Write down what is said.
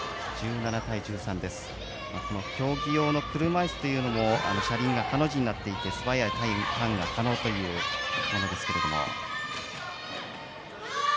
競技用の車いすというのも車輪がハの字になっていて素早いターンが可能というものです。